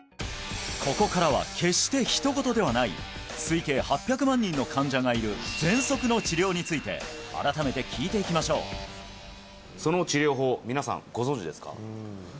ここからは決してひと事ではない推計８００万人の患者がいる喘息の治療について改めて聞いていきましょうその治療法皆さんご存じですか？